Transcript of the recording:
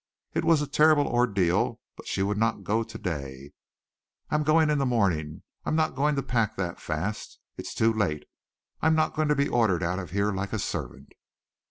It was a terrible ordeal, but she would not go today. "I'm going in the morning. I'm not going to pack that fast. It's too late. I'm not going to be ordered out of here like a servant."